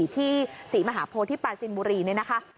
ที่๓มหาพโปรทปราจินบุรีเนี่ยนะคะ